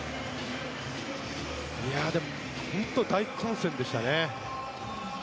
本当、大混戦でしたね。